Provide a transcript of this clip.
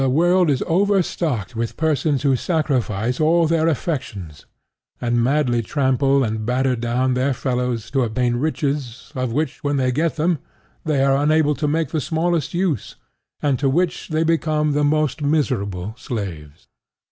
The world is overstocked with persons who sacrifice all their affections, and madly trample and batter down their fellows to obtain riches of which, when they get them, they are unable to make the smallest use, and to which they become the most miserable slaves.